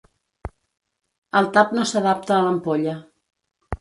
El tap no s'adapta a l'ampolla.